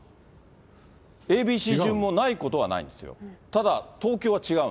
ＡＢＣ順もないことはないんですよ。